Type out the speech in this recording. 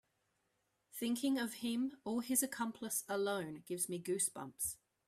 Thinking of him or his accomplice alone gives me goose bumps.